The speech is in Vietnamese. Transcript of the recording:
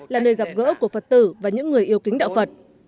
là nơi gặp gỡ của phật tử và những người yêu kính đạo phật